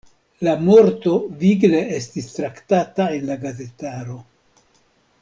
La morto vigle estis traktata en la gazetaro.